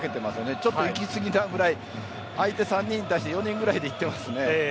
ちょっと行き過ぎなくらい相手３人に対して４人ぐらいでいっています。